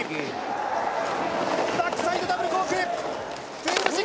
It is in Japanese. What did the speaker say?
バックサイドダブルコーク１２６０